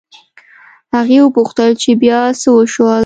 هغې وپوښتل چې بيا څه وشول